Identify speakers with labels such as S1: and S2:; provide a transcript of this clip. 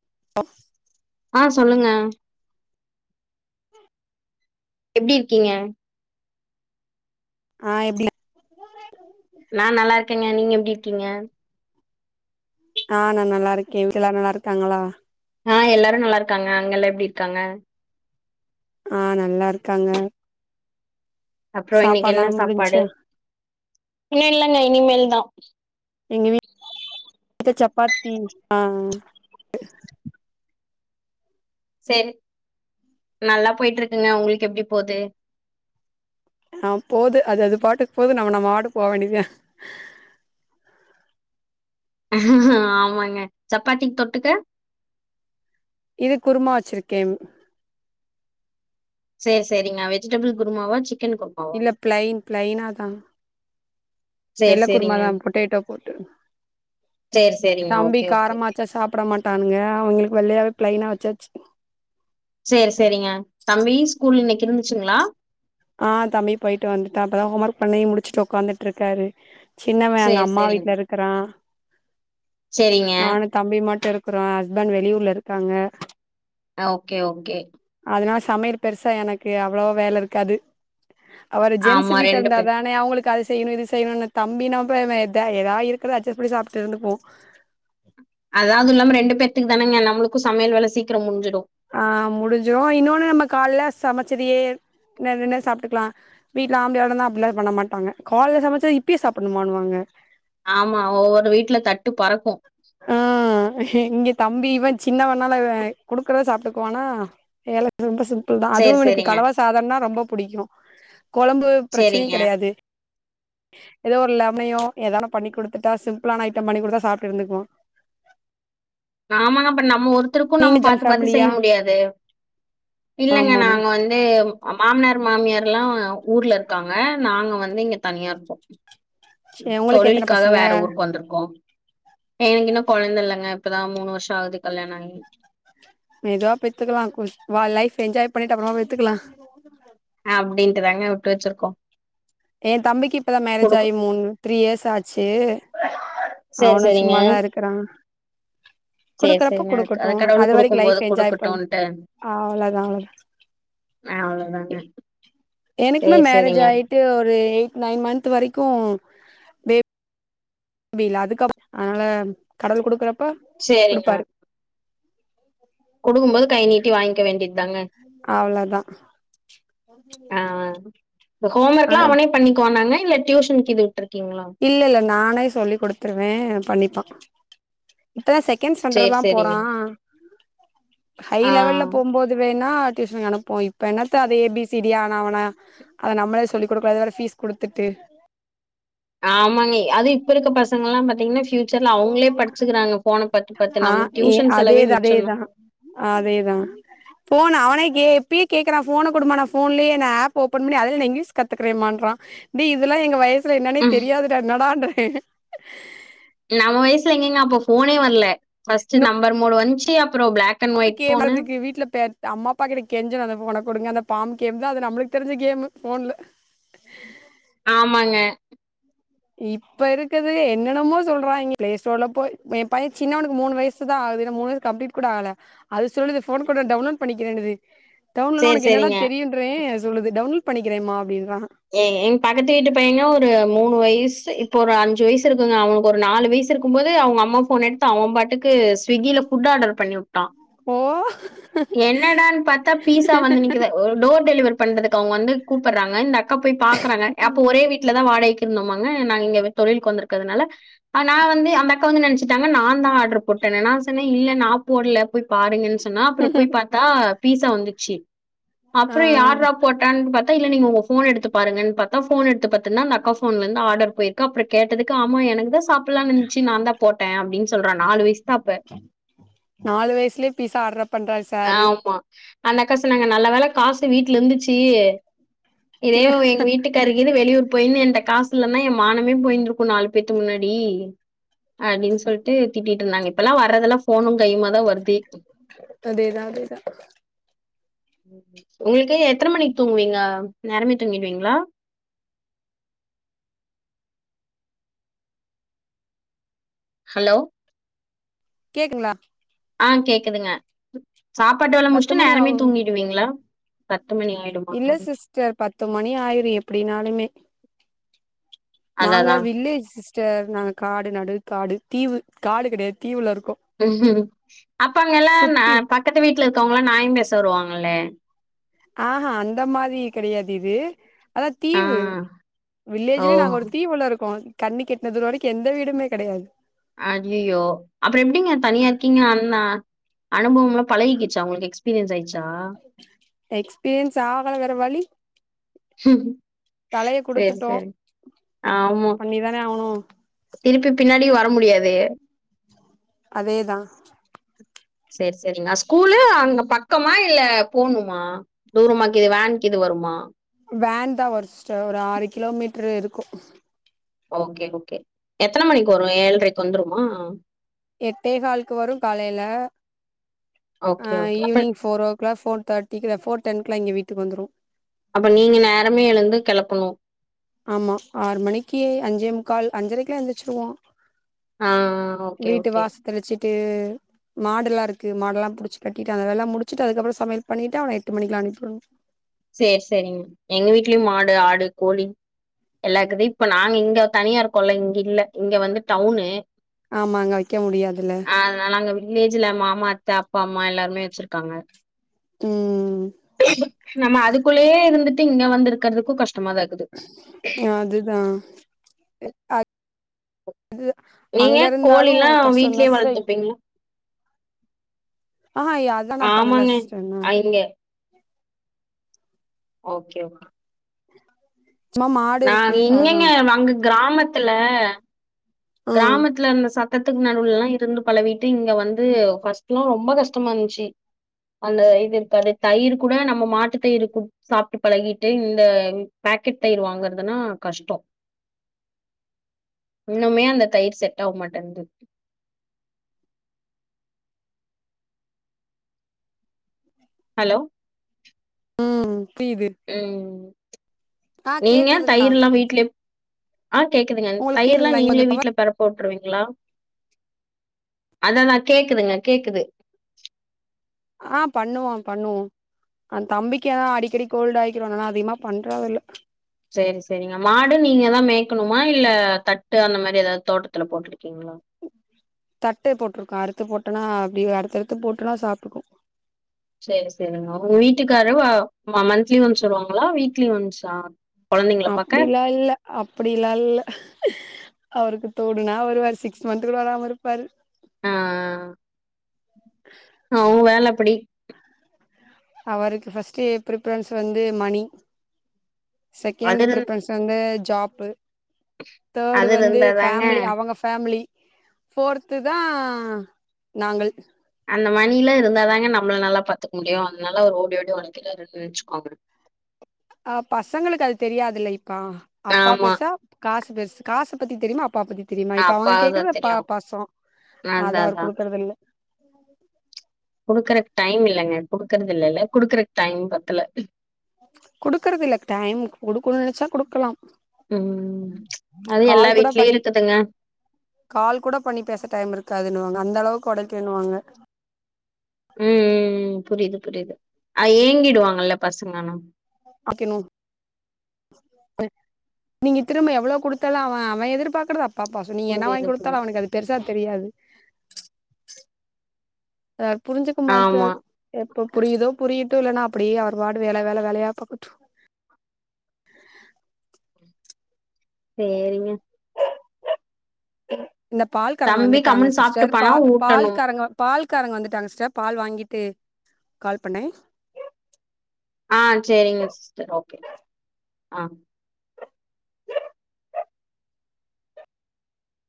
S1: [inaudible]
S2: ஆ சொல்லுங்க எப்டி இருக்கீங்க
S1: ஆ எப்டி
S2: நா நல்லா இருக்கேங்க நீங்க எப்டி இருக்கீங்க
S1: ஆ நா நல்லா இருக்கே வீட்ல எல்லாரு நல்லா இருக்காங்களா
S2: ஆ எல்லாரு நல்லா இருக்காங்க அங்கெல்லா எப்டி இருக்காங்க
S1: ஆ நல்லா இருக்காங்க
S2: அப்றோ இன்னைக்கு
S1: சாப்பாட்லா
S2: என்ன சாப்பாடு
S1: முடிஞ்ச்சா எங்க வீட்ல சப்பாத்தி ஆ
S2: சேரி நல்லா போயிற்றுக்குங்க உங்குளுக் எப்டி போது
S1: ஆ போது அது அது பாட்டுக் போது நம்ம நம்ம பாட்டுக் போ வேண்டிதா
S2: ஆமாங்க சப்பாத்திக் தொட்டுக்க
S1: இதுக் குருமா வெச்சிருக்கே
S2: சேர் சேரிங்க வெஜிடபிள் குருமாவா சிக்கன் கு
S1: இல்ல ப்ளைன் ப்ளைனாதா
S2: சேரி
S1: வெள்ள
S2: சேரிங்க
S1: குருமாதா பொட்டேடோ
S2: சேரி சேரிங்க
S1: தம்பி
S2: ஓகே ஓகே
S1: காரமாச்சா சாப்ட மாட் டானுங்க அவுங்குளுக் வெள்ளயாவே ப்ளைனா வெச்சாச்சு
S2: சேர் சேரிங்க தம்பி ஸ்கூல் இன்னிக் இருன்ச்சுங்ளா
S1: ஆ தம்பி போயிட்டு வந்துட்டா இப்பதா ஹோம் ஒர்க் பண்ணி முடிச்சுட் உக்காந்துட்ருக்காரு சின்னவ அங்க
S2: சேரி
S1: அம்மா
S2: சேரிங்க
S1: வீட்ல இருக்கறா
S2: சேரிங்க
S1: நானு தம்பி மட்டு இருக்கறா ஹஸ்பண்ட் வெளியூர்ல இருக்காங்க
S2: அ ஓகே ஓகே
S1: அத்னால சமையல் பெருசா எனக்கு அவ்ளோவோ வேல இருக்காது அப்றோ ஜென்ஸ்சு
S2: ஆமா
S1: வீட்ட
S2: ரெண்டு
S1: இருந்த
S2: பேர்
S1: தானே அவுங்குளுக் கு அது செய்யணு இது செய்யணுனு தம்பி [unintelligible] ஏதாது இருக்கறத அட்ஜஸ்ட் பண்ணி சாப்ட்டு இருந்துப்போ
S2: அதாவது இல்லாம ரெண்டு பேத்துக் தானங்க நம்ளுக்கு சமையல் வேல சீக்கரோ முஞ்சிடு
S1: ஆ முடிஞ்சுரு இன்னொன்னு நம்ம காலேல சமைச்சதயே [unintelligible] சாப்ட்டுக்கலா வீட்ல ஆம்ப்டியாள் இருந்தா அப்டில்லா பண்ண மாட்டாங்க கால்லல சமச்சத் இப்பயு சாப்பிட்மான்வாங்க
S2: ஆமா ஒவ்வொரு வீட்ல தட்டு பறக்கு
S1: ஆ இங்க தம்பி இவ சின்னவண்ணால இவ குடுக்கறத் சாப்ட்டுக்வானா [unintelligible] ரொம்ப சிம்ப் பிள்தா அதுவு
S2: சரி,
S1: இவுனுக்
S2: சரிங்க,
S1: கலவ சாதம்னா ரொம்ப புடிக்கு கொழம்பு பிரச்சனையு
S2: சரிங்க.
S1: கெடையாது ஏதோ ஒரு லெமனையோ ஏதா ஒன்னு பண்ணி குடுத்துட்டா சிம்பிளான ஐட்டம் பண்ணிகுடுத்தா சாப்ட்டு இருந்துக்வா
S2: ஆமாங் அப்றோ நம்ம ஒருத்துருக்கு நம்ம
S1: நீங்க ஜாயிண்ட்
S2: பாத்து பாத்து செய்ய
S1: ஃபேமிலியா
S2: முடியாது இல்லங்க
S1: ஆமா ஆமா
S2: நாங் வந் து மாமனார் மாமியார்ல்லா ஊர்ல இருக்காங்க நாங்க வந்து இங்க தனியா இருக்கோ
S1: சே உங்களுக்கு எத்தன
S2: தொழில்க்காக
S1: பசங்க
S2: வேற ஊருக் வந்த்ருக்கோ எனக்கு இன்னு கொழந்த இல்லைங்க இப்பதா மூணு வருஷ ஆகுது கல்யாண ஆகி
S1: மெதுவா பெத்துக்கலா லைஃப் என்ஜாய் பண்ணிட்டு அப்பறமா பெத்துக்கலா
S2: அப்படின்ட்டுதாங்க விட்டு வச்சிருக்கோ
S1: எ தம்பிக்கு இப்பதா மேரேஜ் ஆகி மூண் த்ரீ இயர்ஸ் ஆச்சு
S2: சரி,
S1: அவனு
S2: சரிங்க.
S1: சும்மாதா இருக்கிறா
S2: சரி,
S1: குடுக்குறப்ப
S2: சரிங்க. அது
S1: குடுக்கட்டு
S2: கடவுள்
S1: அது வரைக்கு
S2: குடுக்கும்போது
S1: லைஃப்ப என்ஜாய் பண்ண
S2: குடுக்கட்டுன்ட்டு.
S1: ஆ அவ்வளவுதா அவ்ள
S2: ஆ அவ்ளோதாங்க
S1: எனக்குமே
S2: சரி,
S1: மேரேஜ்
S2: சரிங்க.
S1: ஆகிட்டு ஒரு எயிட் நைன் மன்த் வரைக்கு முடுயல அதுகப் அதனால கடவுள் குடுக்குறப்
S2: சேரிங்க குடுக்கும்போது கை நீட்டி வாங்கிக்க வேண்டியது தாங்க
S1: அவ்ளதா
S2: ஆ ஆ இந்த ஹோம்
S1: அ
S2: ஒர்க்ல்லா அவனே பண்ணிகுவான்னாங்க இல்ல டியூஷன்க்கு இது விட்ருக்கீங்களா
S1: இல்ல இல்ல நானே சொல்லி் குடுத்துருவே பண்ணிப்பா இத்தனை செகண்ட்ஸ்
S2: சரி,
S1: சேண்றதா
S2: சரிங்க.
S1: போறா ஹை
S2: ஆ.
S1: லெவல்ல போம்போ இது வேணா டியூஷன்க்கு அனுப்போ இப்ப என்னத்த அதே ஏ பி சி டி ஆனஆவனா அத நம்ளே சொல்லி குடுக்கல அது வேர ஃபீஸ் குடுத்துட்டு
S2: ஆமாங்க அது இப்ப இருக்க பசங்கல்லாம் பாத்தீங்கன்னா ஃப்யூச் ச்சர் அவங்ளே படிச்சுக்குறாங்க ஃபோன பாத்து பாத்து
S1: ஆ
S2: நமக்
S1: ஏ
S2: டியூஷன் செலவே
S1: அதேதா
S2: மிச்சந்தா
S1: அதேதா அதேதா போன அவனே கேப் எப்பயே கேக்குறா ஃபோன குடுமா நா போன்லயே நா ஆப் ஓப்பன் பண்ணி அதல ந இங்லிஸ் கத்துக்றேமான்றா டே இதெல்லா எங்க வயசுல என்னன்னே
S2: ம்,
S1: தெரியாதுட என்னடான்றெ
S2: நம்ம வயசுல எங்கங்க அப்ப ஃபோனே வரல ஃபஸ்ட்ரு நம்பர் மூடு வந்ச்சு அப்ற ப்ளாக்
S1: அப்ப கேட்டதுக்கு வீட்ல பே அம்மாப்பாட்ட கெஞ்சனு அந்த ஃபோன குடுங்க அந்த பாம்பு கேம் தா அது நம்மளுக்கு தெரிஞ்ச கேமு ஃபோன்ல
S2: ஆமாங்க
S1: இப்ப இருக்குது என்னன்னமோ சொல்றாங்க ப்ளேஸ்ஸ்டோர்ல போய் எ பைய சின்னவ்னுக்கு மூணு வயசுதா ஆகுதுல்ல மூணு வயசு கம்ப்ளீட் கூட ஆல அது சொல்லுது ஃபோன் கூட டவுன்லோட் பண்ணிக்கறேன்னுது டவுன்லோ
S2: சரி,
S1: உனக்கு என்னடா
S2: சரிங்க.
S1: தெரியுன்றே அது சொல்லுது டவுன்லோட் பண்ணிக்கிறேம்மா அப்டின்றா
S2: ஏ எங் பக்கத்து வீட்டு பையங்க ஒரு மூணு வயசு இப்ப ஒரு அஞ்சு வயசு இருக்குங்க அவனுக்கு ஒரு நாலு வயசு இருக்கு க்கும்போது அவங்க அம்மா போன் எடுத்து அவ பாட்டுக்கு ஸ்விக்கியில ஃபுட் ஆர்டர் பண்ணிவுட்டா
S1: ஓ
S2: என்னடான்னு பாத்தா பீஸா வந்து நிக்குது ஒரு டோர் டெலிவரி பண்றதுக்கு அவங்க வந்து கூப்பிட்றாங்க இந்தக் கா போய் பாக்குறாங்க அப்ப ஒரே வீட்ல தா வாடகைக்கு இருந்தோமாங்க நாங்க இங்க தொழில்க்கு வந்திருக்கதுனால அ நா வந்து அந்தக்க வந்து நெனைச்சட்டாங்க நாந்தா ஆர்டர் போட்டே நா சொன்னே நா போட்ல போய் பாருங்கன் சொன்னா அப்ற போய் பாத்தா பீஸா வந்துச்சு
S1: ஆ
S2: அப்ற யார்ரா போட்டா பாத் இல்ல நீங்க உங்க ஃபோன் எடுத்து பாருங்கன் பாத்தா போன் எடுத்து பாத்தன்னா அந்தக்கா போன்லந்து ஆடர் போயிருக்கு அப்ற கேட்டதுக் ஆமா எனக்கு தா சாப் அப்பல்லா நென்ச்சு நான்தா போட்டே அப்டின்னு சொல்றா நாலு வயசுதா அப்ப
S1: நாலு வயசலயே பீஷ்ஷா ஆர்டர் பண்றாரு சார்
S2: ஆமா அந்தக்கா சொன்னாங்க நல்ல வேல காசு வீட்ல இருந்ச்சு இதே
S1: இல்ல
S2: எங்க வீட்டுக் த்தர்கினு வெளியூர் போயிர்னு என்ட காசுலன்னா என் மானமே போய்ந்திருக்கு நாலு பேத்து முன்னாடி அப்டின்னு சொல்ட்டு திட்டிட்டு இருந்தாங்க இப்ப எல்லா வரதெல்லா ஃபோனு கையுமா தா வருது
S1: அதேதா அதேதா
S2: உங்களுக்கு எத்தன மணிக்கி தூங்குவீங்க நேரமே தூங்கிடுவீங்ளா ஹலோ
S1: கேக்குங்ளா
S2: ஆ கேக்குதுங்க சாப்பாட்டு வேல
S1: பத்து
S2: முடிச்ட்டு
S1: மணி
S2: நேரமே
S1: ஆகு
S2: தூங்கிடுவீங்ளா பத்து மணி ஆயிடுமா
S1: சர் பத்து மணி ஆயிரு எப்டினாலுமே
S2: அதான்
S1: நாங்க
S2: அதான்
S1: வில்லேஜ் சிஸ் சேர் நாங்க காடு நடு காடு தீவு காடு கெடையாது தீவுல இருக்கோ
S2: அப்ப அங்க எல்லா நா
S1: சுத்தி
S2: பக்கத்து வீட்ல இருக்கவங்களா நாயம் பேச வருவாங்கலே
S1: ஆஹா அந்த மாரி கெடையாது இது அதா
S2: ஆ
S1: தீவு
S2: ஓ
S1: வில்லேஜ்லேயே நாங்க ஒரு தீவு உள்ள இருக்கோ கண்ணுக்கெட்ன தூர வரைக்கு எந்த வீடுமே கெடையாது
S2: அய்யயோ அப்ற எப்டிங்க தனியா இருக்கீங்க அந்தா அனுபவம்லா பழகிக்கிச்சா உங்குளுக்கு எக்ஸ்பீரியன்ஸ் ஆயிர்ச்சா
S1: எக்ஸ்பீரியன்ஸ் ஆகல வேர வழி தலைய
S2: சேரி
S1: குடுத்துட்டோ
S2: சேரி ஆமா
S1: பண்ணிதானே ஆவுணு
S2: திருப்பி பின்னாடி வர முடியாது
S1: அதேதா
S2: செரி செரிங்கா ஸ்கூலு அங்க பக்கமா இல்ல போணுமா தூரமாக்கிது வேன் கிது வருமா
S1: வேன் தா வரு சிஸ்டர் ஒரு ஆறு கிலோமீட்ரு இருக்கூ
S2: ஓகே ஓகே எத்தன மணிக்கு வரு ஏழ்ரைக்கு வந்துருமா
S1: எட்டே ஹால்க்கு வரு காலைல
S2: ஓகே
S1: அ
S2: ஓகே அப்ப
S1: ஈவ்னிங் ஃபோரோ ஓக் குள்ள ஃபோர் தேட்டிக்கி இத போர் டென்க்லா இங்க வீட்டுக்கு வந்துரு
S2: அப்ப நீங்க நேரமே எழுந்து கெளப்பணு
S1: ஆமா ஆறு மணிக்கே அஞ்சே முக்கால் அஞ்சரைக்லா எந்திரிச்சிருவோ
S2: ஆ ஓகே
S1: வீட்டு
S2: ஓகே
S1: வாச தெளிச்சிட்டு மாடெல்லாருக்கு மாடெல்லா புடிச்சு கட்டிட்டு அந்த வேலலா முடிச்சுட்டு அதுக்கப்புறோ சமையல் பண்ணிட்டு அவன எட்டு மணிக்கிலா அனுப்பிட்ணு
S2: சேர் சேரிங்க எங்க வீட்லயு மாடு ஆடு கோழி எல்லாக்குது இப்ப நாங்க இங்க தனியாருக்கோல்ல இங்க இல்ல இங்க வந்து டவுனு
S1: ஆமா அங்க வைக்க முடியாதுல்ல
S2: அதனால அங்க வில்லேஜ்ல மாமா அத்த அப்பா அம்மா எல்லாருமே வச்சிருக்காங்க
S1: ம்
S2: நம்ம அதுக்குள்ளேயே இருந்துட் ட்டு இங்க வந்து இருக்கிறதுக்கூ கஷ்டமா தா இக்
S1: அ அதுதா அத் அது
S2: நீங்க
S1: அங்க இருந்தாலு
S2: கோழிலாம்
S1: கஷ்டந்தா
S2: வீட்லயே
S1: சிஸ்ட
S2: வளர்த்துப்பீங்களா?
S1: ஆஹா எ அதா நா பண்ணல
S2: ஆமாங்க.
S1: சிஸ்டர் நா
S2: அ இங்க ஓகே ஓகே
S1: சும்மா மாடு
S2: நா
S1: இருக்கு அவ்ளோதா
S2: இங்ஙங்க அங்க கிராமத்துல
S1: ம்
S2: கிராமத்துல இருந்த சத்தத்துக்கு நடுவுலல்லா இருந்து பழகிட்டு இங்க வந்து ஃபர்ஸ்ட்லா ரொம்ப கஷ்டமா இருந்ச்சி அந்த இது இருக்காது தயிர் கூட நம்ம மாட்டு தயிர் குடி சாப்ட்டு பழகிட்டு இந்த பேக்கெட் தயிர் வாங்கறதுனா கஷ்டோ இன்னுமே அந்த தயிர் செட் ஆவ மாட்டேன்து ஹலோ
S1: ம் புய்து
S2: ம் நீங்க
S1: கேக்குதுங்களா
S2: தயிர்ல்லா வீட்ல ஆ கேக்குதுங்க
S1: உங்களுக்கு
S2: தயிர்லா
S1: கேக்குதுங்களா இங்க
S2: நீங்களே
S1: கொஞ்சோ டவர்
S2: வீட்டுல பெற போட்டுருவீங்களா அததா கேக்குதுங்க கேக்குது
S1: ஆ பண்ணுவா பண்ணுவோ அந் தம்பிக்கு தா அடிக்கடி கோல்டு ஆயிக்கிறோனா அதிகமா பண்றதுல்ல
S2: செரி செரிங்க மாடு நீங்க தா மேய்கணுமா இல்ல தட்டு அந்த மாரி எதாவது தோட்டத்துல போட்டு இருக்கீங்களா
S1: தட்டு போட்ருக்கோ அறுத்து போட்டோனா அப்டியே அறுத்தறுத்து போட்டனா சாப்ட்டுக்கு
S2: சரி சரிங்க உங்க வீட்டுக்காரவ மந்த்லி ஒன்ஸ் வருவாங்களா வீக்லி ஒன்ஸா கொழந்தைங்கள பாக்க
S1: அப்டிலா இல்ல அப்டில்லா இல்ல அவருக்கு தோடினா வருவாரு சிக்ஸ் மந்த்த் கூட வராாம இருப்பாரு
S2: ஆ அவுங்க வேல அப்டி
S1: அவருக்கு ஃபர்ஸ்ட் ப்ரிபரன்ஸ் வந்து மணி செகண்ட்
S2: அது இருந்
S1: ப்ரிபரன்ஸ் வந்து ஜாப்பு தேர்டு
S2: அது
S1: வந்து
S2: இருந்தாதாங்க
S1: ஃபேமிலி அவங்க ஃபேமிலி ஃபோர்த்து தா நாங்கள்
S2: அந்த மணிலா இருந்தாதாங்க நம்மள நல்லா பாத்துக்க முடியு அதனால ஒரு ஓடி ஓடி ஒழக்கிறாறுனு நெனச்சுக்கோங்க
S1: ஆ பசங்களுக்கு அது தெரியாதுல்ல இப்ப அப்பா
S2: ஆமா
S1: பெருசா காசு பெருசு காசு பத்தி தெரியுமா அப்பா பத்தி தெரியுமா இப்ப அவுங்க
S2: அப்பாவதா
S1: கேக்றது ஒ ப
S2: தெரியு
S1: பாசோ அத
S2: அதா
S1: அவரு
S2: அதா
S1: குடுக்குறது இல்ல
S2: குடுக்குறக்கு டைம் இல்லைங்க குடுக்குறது இல்லல்ல குடுக்குறக்கு டைம் பத்தல
S1: குடுக்குறது இல்ல டைம் குடுக்கணு நெனச்சா குடுக்கலா
S2: ம் அது எல்லா
S1: கால் கூட
S2: வீட்லயு
S1: பண்ணி
S2: இருக்குதுங்க
S1: கால் கூட பண்ணி பேச டைம் இருக்காதுன்னுவாங்க அந்த அளவுக்கு ஒடைக்கணுவாங்க
S2: ம் ம் ம் புரியுது புரியுது அத ஏங்கிடுவாங்கல்ல பசங்கனா
S1: அப்ப இன்னு நீங்க திரும்ப எவ்ளோ குடுத்தாலு அவ அவ எதிர்பார்க்குறது அப் பாப்பா சோ நீ என்ன வாங்கி
S2: புரியுது
S1: குடுத்தாலு
S2: புரியுது.
S1: அவனுக்கு அது பெருசா தெரியாது அத புரிஞ்சுக்க
S2: ஆமா.
S1: மாட்ரார் எப்ப புரியுதோ புரியட்டு இல்லனா அப்டியே அவர் பாட்டு வேல வேல வேலயா பாக்கட்டு
S2: சேரிங்க
S1: இந்த பால் காரங்க
S2: தம்பி
S1: வந்துட்டாங்க
S2: கம்முனு
S1: சிஸ்டர்
S2: சாப்ட்டுப்பானா
S1: பால் பால்
S2: ஊட்டணும்.
S1: காரங்க பால் காரங்க வந்துட்டாங்க சிஸ்டர் பால் வாங்கிட்டு கால் பண்ணே
S2: ஆ சேரிங்க சிஸ்டர் ஓகே ஆ